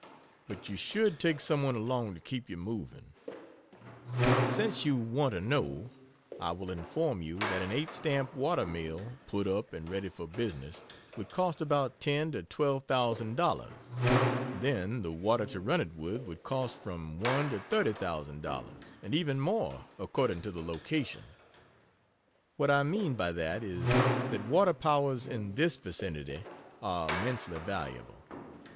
But you should take someone along to keep you moving. Since you want to know, I will inform you that an eight stamp water mill, put up and ready for business would cost about $10,000 to $12,000. Then, the water to run it with would cost from $1,000 to $30,000 and even more, according to the location. What I mean by that, is, that water powers in THIS vicinity, are immensely valuable.